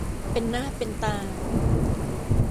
เป็นหน้าเป็นตา